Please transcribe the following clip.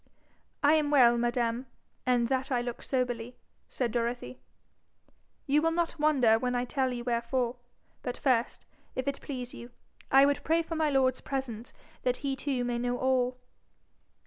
'I am well, madam; and that I look soberly,' said Dorothy, 'you will not wonder when I tell you wherefore. But first, if it please you, I would pray for my lord's presence, that he too may know all.'